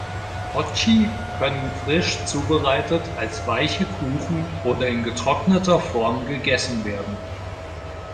Mochi können frisch zubereitet als weiche Kuchen oder in getrockneter Form gegessen werden.